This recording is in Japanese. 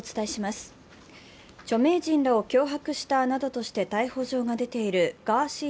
著名人らを脅迫したなどとして逮捕状が出ているガーシー